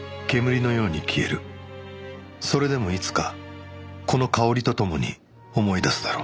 それでもいつかこの香りとともに思い出すだろう